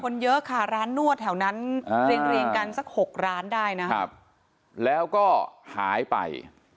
คนเยอะค่ะร้านนวดแถวนั้นเรียงกันสัก๖ร้านได้นะครับแล้วก็หายไป